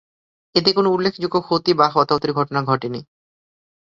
এতে কোনো উল্লেখযোগ্য ক্ষতি বা হতাহতের ঘটনা ঘটে নি।